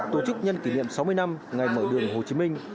tổ chức nhân kỷ niệm sáu mươi năm ngày mở đường hồ chí minh